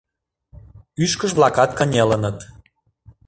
Ӱшкыж-влакат кынелыныт.